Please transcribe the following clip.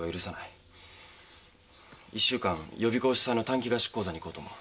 １週間予備校主催の短期合宿講座に行こうと思う。